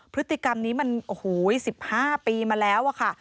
พฤติกรรมนี้มันโอ้โห๑๕ปีมาแล้วอะค่ะ